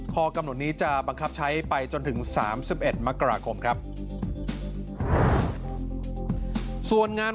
ข้อกำหนดนี้จะบังคับใช้ไปจนถึง๓๑มกราคมครับ